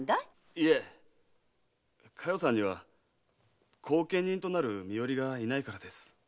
いえ佳代さんには後見人となる身寄りがいないからです。